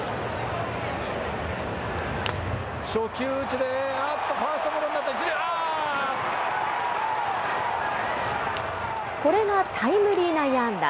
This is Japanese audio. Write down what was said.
初球打ちで、あっと、ファーストゴロになった、１塁、これがタイムリー内野安打。